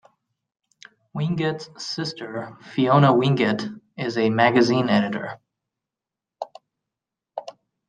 Wingett's sister, Fiona Wingett, is a magazine editor.